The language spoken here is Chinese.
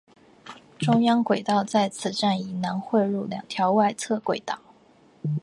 中央轨道在此站以南汇入两条外侧轨道。